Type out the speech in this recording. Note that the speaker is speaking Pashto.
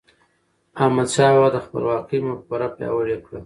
احمدشاه بابا د خپلواکی مفکوره پیاوړې کړه.